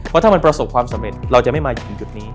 เพราะถ้ามันประสบความสำเร็จเราจะไม่มาถึงจุดนี้